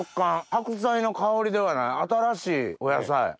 白菜の香りではない新しいお野菜。